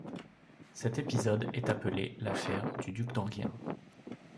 Cet épisode est appelé l'affaire du duc d'Enghien.